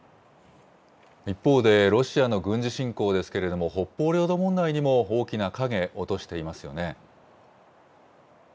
一方で、ロシアの軍事侵攻ですけれども、北方領土問題にも大きな影、落としていますよね。